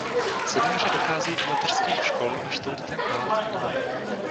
Senioři docházejí do mateřských škol a čtou dětem pohádky.